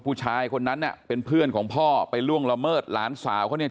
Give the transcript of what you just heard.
ผู้ชายคนนั้นน่ะเป็นเพื่อนของพ่อไปล่วงละเมิดหลานสาวเขาเนี่ย